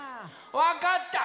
わかった！